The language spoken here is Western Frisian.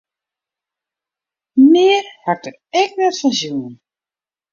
Mear ha ik dêr ek net fan sjoen.